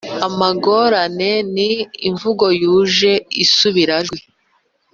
amagorane ni imvugo yuje isubirajwi